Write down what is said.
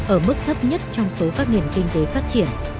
ở mức thấp nhất trong số các nền kinh tế phát triển